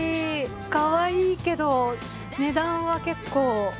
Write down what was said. かわいいけど値段は結構。